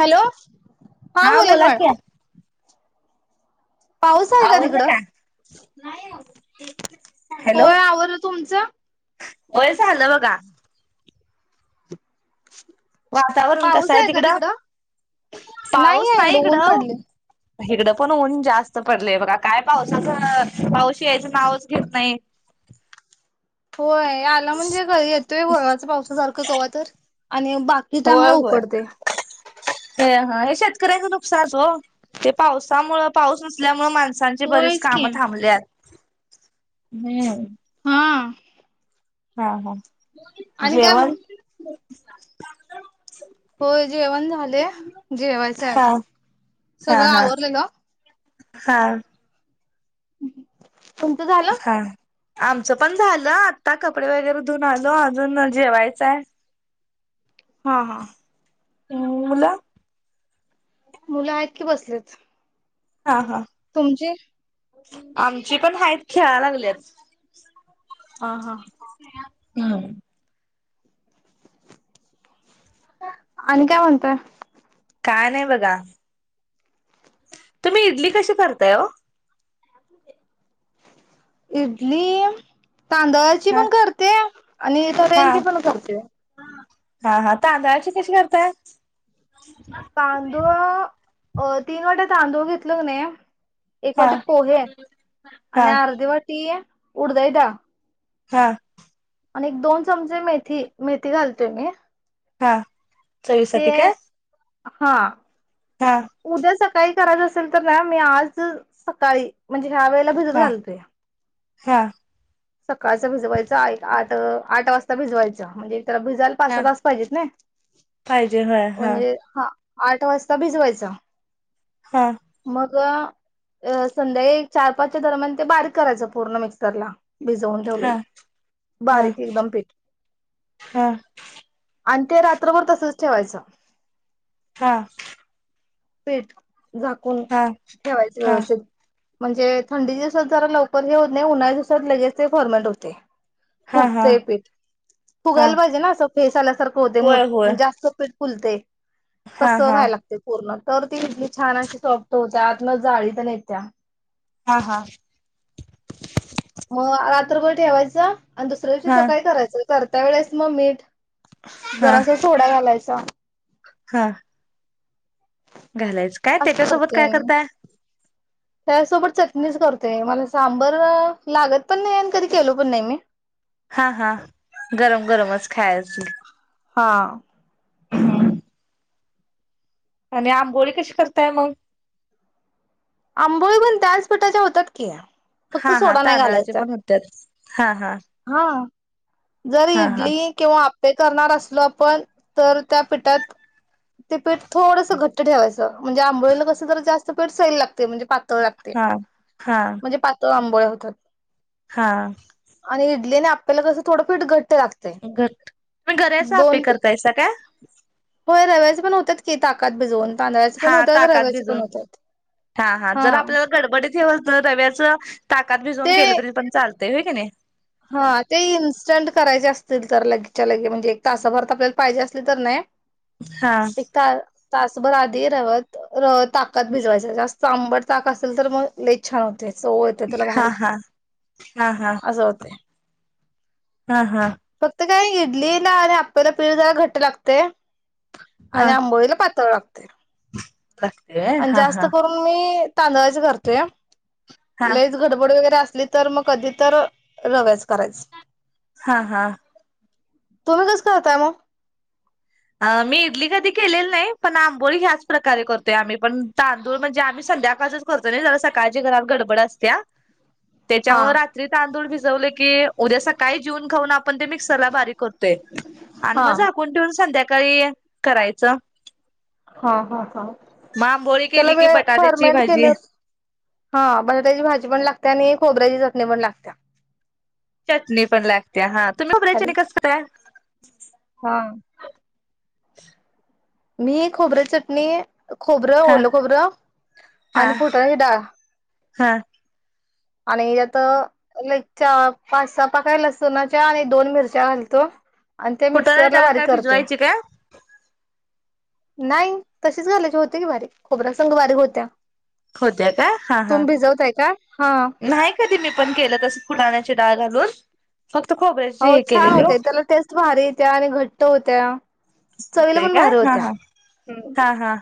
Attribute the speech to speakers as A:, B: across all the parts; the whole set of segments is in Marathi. A: हॅलो! हा बोलाक
B: बोला
A: मॅड
B: की
A: पाऊस आहे
B: आवरल
A: तिकडं
B: का? हॅलो
A: होय आवरल तुमचं?
B: वय झालं बघा.
A: [inaudible]
B: वातावरण कस
A: पाऊस
B: हाय
A: आहे का
B: तिकडं?
A: नाही
B: पाऊस
A: आहे
B: नाय
A: ऊन
B: इकडं.
A: पडले
B: हिकड पण ऊन जास्त पडलेय बघा काय पावसाचं अं पाऊस यायचं नावच घेत नाही.
A: होय आ आला म्हणजे कधी येतोय वळवाच्या पावसासारखं कवा तर आणि बाकी टायमला उकडतंय.
B: ते हा हे शेतकऱ्यांचं नुकसानच ओ ते पावसामुळं पाऊस नसल्यामुळे माणसांचे बरेच
A: होयच
B: काम
A: की
B: थांबल्यात हं.
A: हां.
B: हा हा
A: आणि काय मग
B: जेवण?
A: होय जेवण झालय, जेवायचं
B: हा
A: अजून, सगळं आवरलेलं.
B: हां.
A: तुमचं झालं
B: हां. आमचं पण झालं आत्ता कपडे वगैरे धुन आलो अजून अं जेवायचंय.
A: हां हां.
B: हम्म मुल?
A: मुलं हायत की बसलेत.
B: हा हा.
A: तुमचे?
B: आमची पण हाईत खेळा लागल्यात.
A: हां हां.
B: हम्म.
A: आणि काय म्हणताय?
B: काय नाय बघा, तुम्ही इडली कशी करताय वो?
A: इडली तांदळाची
B: हा
A: पण करतेय आणि
B: हा
A: रव्यांनचीपण करते.
B: हा, हा तांदळाची कशी करताय?
A: तांदूळ अ, तीन वाट्या तांदूळ घेतलं कणी एक
B: हा
A: वाटी पोहे
B: हा
A: आणि आर्धी वाटी उडदाची डाळ
B: हा
A: आणि एक दोन चमचे मेथी, मेथी घालते मी
B: हा
A: ते
B: चवीसाठी काय?
A: हां
B: हा
A: उद्या सकाळी करायचं असेल तर ना, मी आज सकाळी म्हणजे ह्या वेळेला भिजत
B: हा
A: घालते.
B: हा
A: सकाळच भिजवायच आय आठ, आठ वाजता भिजवायच म्हणजे त्याला भिजाल
B: हा
A: पासा तास पाहिजेत नैय,
B: पाहिजे होय हा
A: म्हणजे हा आठ वाजता भिजवायच
B: हं
A: मग अ, संध्याकाळी चार- पाचच्या दरम्यान ते बारीक करायचं पूर्ण मिक्सरला. भिजवून
B: हा हा
A: ठेवलय,
B: हा
A: बारीक एकदम पीठ.
B: हा
A: आणि ते रात्रभर तसंच ठेवायचं
B: हा
A: पीठ झाकून
B: हा
A: ठेवायच व्यवस्थित म्हणजे थंडीच्या दिवसात जरा लवकर हे होत नाही, उन्हाळ्या दिवसात लगेच ते फॉर्मेट होतंय.
B: हा हा
A: फुगतंय पीठ,
B: हा
A: फुगायला पाहिजे ना असं फेस आल्यासारखं होतय
B: होय होय
A: मोठ जास्त पीठ फुलतय,
B: हा
A: तसं
B: हा
A: व्हाय लागतंय पूर्ण तर ती इडली छान अशी सॉफ्ट होत्या, आतन जाळी तेन येत्या.
B: हा हा
A: म अ रात्रभर ठेवायचं आणि दुसऱ्या दिवशी
B: हा
A: सकाळी करायचं करत्या वेळेस म मीठ
B: हा
A: जरासा सोडा घालायचा.
B: हा घालायचं, काय
A: असं
B: त्याच्यासोबत
A: करतोय
B: काय
A: मी.
B: करताय?
A: [unintelligible] त्यासोबत चटणीच करतोय, मला सांबर लागत पण नाही आणि कधी केलो पण नाही मी
B: हा, हा गरम गरमच खायायची
A: हा
B: आणि आंबोळी कशी करताय मग?
A: आंबोळी पण त्याच पीठाच्या होतात की फक्त
B: हा, हा
A: सोडा नाही
B: तांदळाचे पण हुत्यात हा हां
A: हां जर इडली किंवा आप्पे करणार असलो आपण, तर त्या पिठात ते पिठ थोडसं घट्ट ठेवायचं, म्हणजे आंबोळीला कस जरा जास्त पीठ सईल लागतय म्हणजे पा तळ लागतय
B: हा हा
A: म्हणजे पातळ आंबोळ्या होतात.
B: हां
A: आणि इडली आणि अप्पेला कसं थोडं पीठ घट्ट लागत
B: घट्ट, तुम्ही गऱ्याच आप्पे करतायसा काय?
A: होय रव्याचे पण होतात की ताकात भिजवून. तांदळाचे पण
B: हा
A: होतात
B: ताकात
A: रव्याचे पण
B: भिजून
A: होतात.
B: हा हा जर आपल्याला गडबडी हे हुसतर रव्याच ताकात भिजवून
A: ते
B: केलं तरी पण चालतंय. दे हो की नाही
A: हा ते इन्स्टंट करायचे असतील तर लगेचच्या लगे म्हणजे एक तासाभरात आपल्याला पाहिजे असली तर ना
B: हा
A: तासभर आधी रवा ताकात भिजवायच जास्त आंबट ताक असेल तर मग लेच छान होत. चव येत त्याला
B: हा
A: भारी
B: हा हा हा
A: असं होते.
B: हा हा
A: फक्त काय नाही इडली ना आणि आपल्याला पीठ जरा घट लागते.
B: हा
A: आणि आंबोईला पातळ लागतं.
B: असक्तवे हा हा [unintelligible]
A: मी तांदळाच करतोय
B: हा
A: लयच भारी गडबड वगैरे असली तर मग कधी तर रव्याच करायचं
B: हा हा
A: तुम्ही कसं करताय मग?
B: मी इडली कधी केलेली नाही पण आंबोळी ह्याच प्रकारे करतोय आम्ही पण तांदूळ म्हणजे आम्ही संध्याकाळच करतो ना ज सकाळची घरात गडबड असतीया
A: ह
B: त्याच्यामुळे रात्री तांदूळ भिजवले की उद्या सकाळी जिवून खाऊन आपण ते मिक्सरला बारीक करतोय आणि
A: हा
B: मग झाकून ठेवून संध्याकाळी करायचं.
A: हा हा हा
B: मग आंबोळी
A: त्याला
B: केली की
A: वेळ
B: बटाट्याची
A: परर्मंट
B: भाजी
A: केल्यावर हा बटाट्याची भाजी पण लागते आणि खोबऱ्याची चटणी पण लागते.
B: चटणी पण लागते हा तुम्ही
A: हॅलो
B: खोबऱ्याची कसं
A: हा मी खोबऱ्याची चटणी खोबरं
B: हा
A: ओलं खोबरं
B: हा
A: आणि फुटाण्याची डाळ
B: हा
A: आणि यात लाईक पाच सहा पाकळ्या लसुणाच्या आणि दोन मिरच्या घालतो. आणि ते
B: फुटाण्याची
A: मिक्सर ला
B: डाळ
A: बारीक
B: काय
A: करतोय.
B: भिजवायची काय?
A: नाही तशीच घालायची होते की बारीक खोबऱ्या संघ बारीक होत्या.
B: होत्या काय हा हा
A: तुम्ही भिजवताय का हा?
B: नाही कधी मी पण केलं तसं फुटाण्याची डाळ घालून. फक्त खोबऱ्याची
A: हो
B: हे
A: छान
B: केलेली ओ
A: होतंय त्याला टेस्ट भारी येत्या आणि घट्ट होत्या चवीला पण भारी होत्या. हम्म
B: हां हां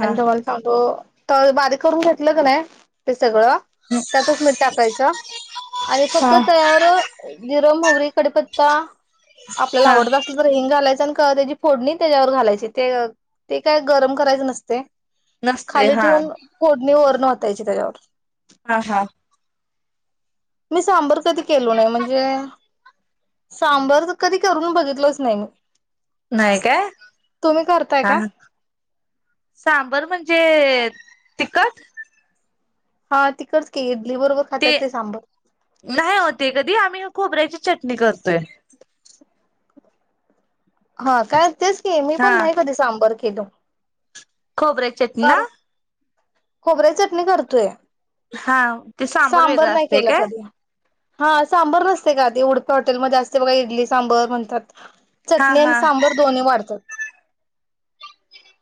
A: आणि तुम्हाला सांगतो तळ बारीक करून घेतलं का नाय ते सगळं त्यातत मीठ टाकायचं आणि फक्त
B: हा
A: तव्यावरं जिरं मोहरी कढीपत्ता आपल्याला
B: हा
A: आवडतं असेल तर हिंग घालायचं आणि कवा त्याची फोडणी त्याच्यावर घालायची ते ते काय गरम करायचं नसतंय.
B: नसतय
A: खाली
B: हा
A: ठेवून फोडणी वरून ओतायची त्याच्यावर
B: हा हा
A: मी सांबर कधी केलो नाही म्हणजे सांबारच कधी करून बघितलोच नाही मी.
B: नाही काय
A: तुम्ही करताय का?
B: हां सांबर म्हणजे तिखट?
A: हां तिखटच की इडली बरोबर खात्यात ते सांबर.
B: नाही हो ते कधी आम्ही खोबऱ्याची चटणी करतोय.
A: हां काय तेच की मी
B: हा
A: पण नाही कधी सांबर केलो.
B: खोबऱ्या
A: कारु खोबऱ्याची चटणी करतोय.
B: हा ते
A: सांबर
B: वेगळं
A: नाही
B: असतय
A: केलं
B: काय
A: कधी. हा सांबर नसतय का ते उडपी हॉटेलमध्ये असते बघा इडली सांबर म्हणतात.
B: हा
A: चटणी आणि
B: हा
A: सांबर दोन्ही वाढतात.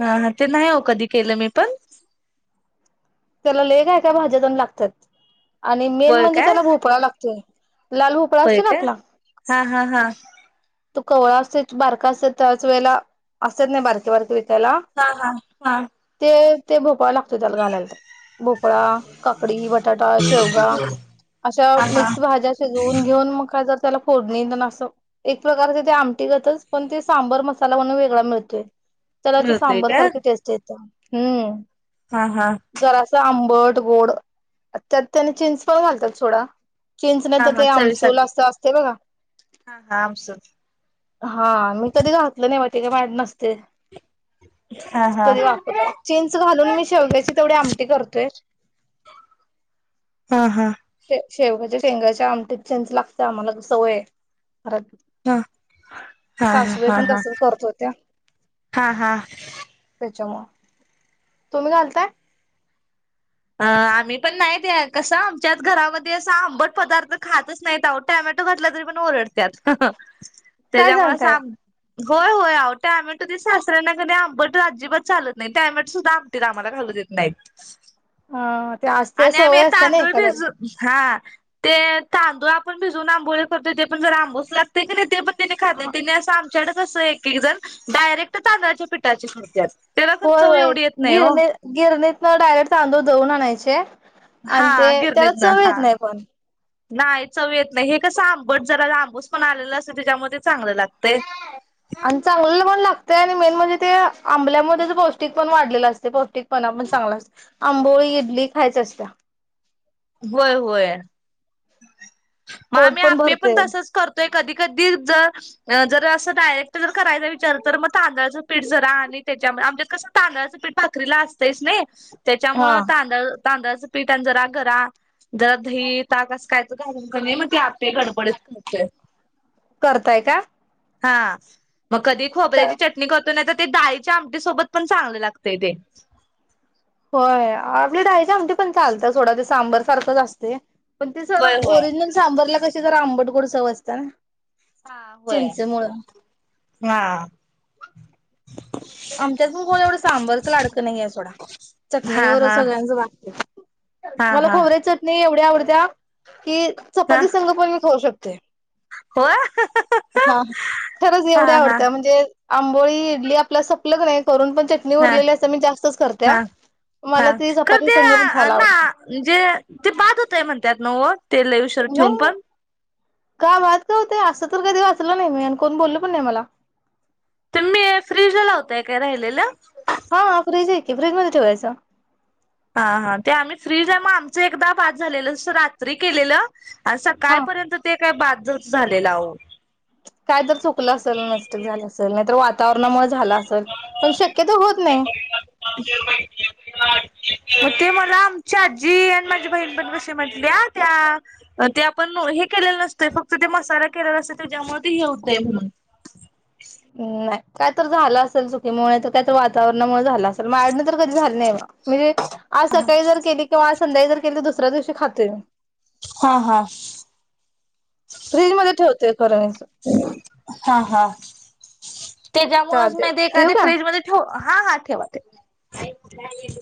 B: हां ते नाही हो कधी केलं मी पण
A: त्याला लय काय काय भाज्या तेन लागत्यात. आणि मेन
B: होय
A: म्हणजे
B: काय
A: त्याला भोपळा लागतोय लाल भोपळा
B: होय
A: असतो ना
B: काय
A: आपला
B: हा हा हा
A: तो कवळा असतोय बारका असतोय त्याच वेळेला असत्यात नाही बारके बारके विकायला
B: हां हां हा
A: ते ते भोपळा लागतोय त्यात घालायला भोपळा, काकडी, बटाटा, शेवगा अशा
B: हा हा
A: मिक्स भाज्या शिजवून घेऊन म का जर त्याला फोडणी देऊन असं एक प्रकारचे ते आमटी गतच पण ते सांबर मसाला म्हणून वेगळा मिळतोय. त्याला ते
B: मिळतोय
A: सांबर
B: काय
A: सारखी टेस्ट येत्या हम्म
B: हां हां
A: जरासं आंबट-गोड त्यात तेनी चिंच पण घालतात सोडा चिंच नाही
B: हा
A: तर
B: हा
A: ते आमसूल
B: चवीसाठी
A: अस असतय बघा.
B: हा हा आमसूल
A: हां मी कधी घातलं नाही म ते का माहित नसते.
B: हा हा
A: कधी
B: हा
A: वापरलाय चिंच घालून मी शेवग्याची तेवढी आमटी करतोय.
B: हा हा
A: शे शेवगच्या शेंगाच्या आमटीत चिंच लागत्या आम्हाला तर सवय हाय
B: हा हा
A: सासुबाई
B: हा
A: पण
B: हा
A: तसच करत होत्या.
B: हा हा
A: त्याच्यामुळं तुम्ही घालताय?
B: अ आम्ही पण नाही ते कसं आमच्यात घरामध्ये असं आंबट पदार्थ खातच नाहीत आओ टॅमॅटो घातला तरी पण ओरडत्यात
A: काय
B: त्याच्यामुळे असं
A: सांगताय?
B: आम होय होय अहो टॅमेटो ते सासऱ्यांना क नाय आंबट अजिबात चालत नाही टॅमेटो सुद्धा टीत आम्हाला घालू देत नाहीत.
A: हं ते असत्या सवय असत्या नाही एखाद्याला
B: हां ते तांदूळ आपण भिजवून आंबोळी करतोय ते पण जरा आंबूस लागतय कणी ते पण खात
A: हा.
B: नाहीत अस आमच्याकडं कसं एक एक जण डायरेक्ट तांदळाच्या पिठाची करत्यात. त्याला खर
A: होय
B: चव
A: होय
B: एवढी येत नाही ओ
A: गिरणी गिरणीतनं डायरेक्ट तांदूळ दळून आणायचे आणि
B: हा
A: ते त्याला
B: गिरणीतन
A: चव येत
B: हा
A: नाही पण
B: नाही चव येत नाही हे कसं आंबट जरा आंबूस पणा आलेला असतोय त्याच्यामुळं ते चांगलं लागतय.
A: [inaudible] आणि चांगलं पण लागतंय आणि मेन म्हणजे ते आंबल्यामुळे त्याचं पौष्टिक पण वाढलेलं असतय पौष्टिकपणा पण चांगला असत. आंबोळी, इडली खायची असत्या.
B: होय होय मग
A: पोट
B: आम्ही आप्पे पण
A: भरते.
B: तसच कर तोय कधी कधी जर जर असं डायरेक्ट जर करायचा विचार तर मग तांदळाचं पीठ जरा आणि त्याच्यामुळे आमच्यात कसं तांदळाचं पीठ भाकरीला असतयच नाही
A: हा
B: त्याच्यामुळं तांदळ तांदळाचं पीठ आणि जरा गरा जरा दही ताक असं कायतर घालून कणी मग ते आप्पे गडबडीत होतय
A: करताय काय?
B: हा मग कधी
A: त्या
B: खोबऱ्याची चटणी करतोय नाही तर ती डाळी च्या आमटी सोबत पण चांगल लागतय ते.
A: होय. आम्ही डाळीची आमटी पण चालत्या सोडा ते सांबर सारखंच असतय. पण ते जरा
B: होय होय
A: ओरिजिनल सांबरला कशी जरा अंबट - गोड चव असत्या.
B: ह होय.
A: चिंचेमुळ
B: हा.
A: आमच्यात पण कोण एवढं सांबरचं लाडकं नाहीयाय सोडा.
B: हा
A: चटणी वरच
B: हा
A: सगळ्यांचं भागतय.
B: हा
A: मला
B: हा
A: खोबऱ्याची चटणी एवढी आवडत्या. की
B: हा
A: चपाती संंग पण मी खाऊू शकतोय.
B: हो हा
A: हा खरंच एवढी
B: हा
A: आवडत्या म्हणजे आंबोळी इडली आपल्या सप सपल क नाही करून पण ते चटणी
B: हा
A: उरलेली असत्या. मी जास्तच
B: हा
A: करत्या. मला
B: हा
A: ती
B: खर
A: चपाती
B: ते
A: संग पण खायला
B: ना
A: आवडत्या.
B: म्हणजे ते बाद होतय म्हणत्यात नव्ह व ते लय उशर ठेवून
A: नाही
B: पण.
A: का बाद का होतय? असं तर कधी वाचलं नाही मी. आणि कोण बोललो पण नाही मला.
B: तर मी फ्रीज लावताय काय राहिलेलं?
A: हा फ्रीज आहे की, फ्रीज मध्ये ठेवायचं.
B: हा हा ते आम्ही फ्रीज हाय म आमचं एकदा बाद झालेलं स रात्री केलेलं. आणि
A: हा
B: सकाळीपर्यंत ते काही बादच झालेलं आव.
A: काय तर चुकलं असल मिस्टेक झाल असल. नाही तर वात वातावरणामुळ झाल असल. पण शक्यतो होत नाही.
B: [unintelligible] मग ते मला आमची आजी आणि माझी बहीण पण कशी म्हटल्या त्या म ते आपण हे केलेलं नसतंय फक्त ते मसाला केलेल असतय त्याज्यामुळ ते हे होतय म्हणून.
A: नाही काय तर झालं असल चुकीमुळ नाहीतर त्याच वातावरणामुळ झालं असल. माझ्याकडण तर कधी झालं नाही बा. मी आज सकाळी जर केली किंवा आज संध्याळी जर केली तर दुसऱ्या दिवशी खातोय मी.
B: हा हा.
A: फ्रीज मध्ये ठेवतोय खरं मी.
B: हा हा.
A: चहा
B: त्याज्यामुळच म ते एखाद
A: ठेवू का
B: फ्रीजमध्ये ठेवू? हा - हा ठेवा -ठेवा.